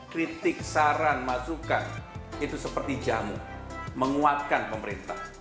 kritik saran masukan itu seperti jamu menguatkan pemerintah